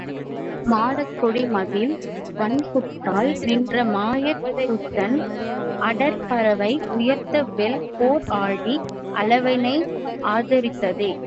மாடக் கொடி மதிள் வண்குட்டால் நின்ற மாயக் கூத்தன் ஆடற்பறவை உயர்த்த வெல் போர் ஆழி அலவனை ஆதரித்தே.